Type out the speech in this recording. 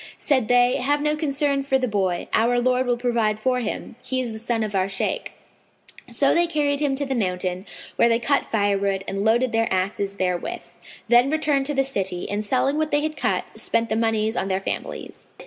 Said they, "Have no concern for the boy, our Lord will provide for him: he is the son of our Shaykh." So they carried him to the mountain, where they cut firewood and loaded their asses therewith; then returned to the city and, selling what they had cut, spent the monies on their families.